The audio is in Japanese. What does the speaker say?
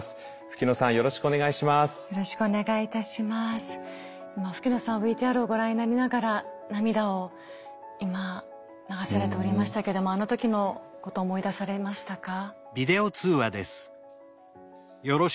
吹野さんＶＴＲをご覧になりながら涙を今流されておりましたけどもあの時のこと思い出されましたか？